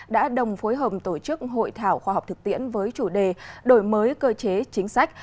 đã đồng phối hợp tổ chức hội thảo khoa học thực tiễn với chủ đề đổi mới cơ chế chính sách